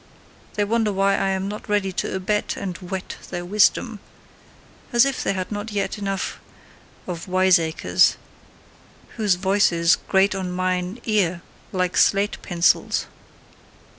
They wonder why I am not ready to abet and whet their wisdom: as if they had not yet enough of wiseacres, whose voices grate on mine ear like slate pencils!